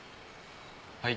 はい。